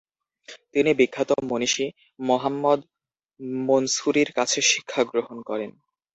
তিনি বিখ্যাত মনীষী মহাম্মদ মনসুরীর কাছে শিক্ষা গ্রহণ করেন।